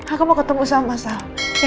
aku mau ketemu sama mas sal